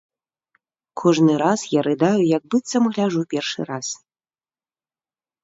Кожны раз я рыдаю, як быццам гляджу першы раз.